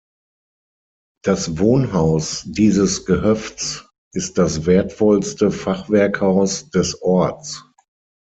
Das Wohnhaus dieses Gehöfts ist das wertvollste Fachwerkhaus des Orts.